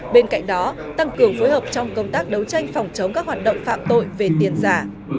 bên cạnh đó tăng cường phối hợp trong công tác đấu tranh phòng chống các hoạt động phạm tội về tiền giả